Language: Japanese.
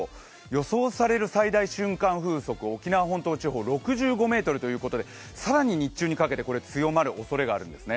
予想される最大瞬間風速、沖縄本島地方、６５メートルということで更に日中にかけて強まるおそれがあります。